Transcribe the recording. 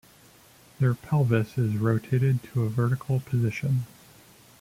Their pelvis is rotated to a vertical position.